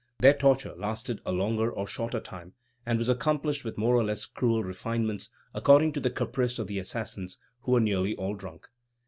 Their torture lasted a longer or shorter time, and was accomplished with more or less cruel refinements, according to the caprice of the assassins, who were nearly all drunk.